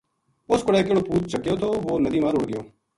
اُس کوڑے کِہڑو پوت چکیو تھو وہ ندی ما رُڑھ گیو